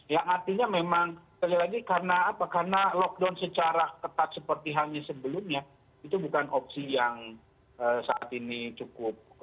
yang artinya memang sekali lagi karena apa karena lockdown secara ketat seperti halnya sebelumnya itu bukan opsi yang saat ini cukup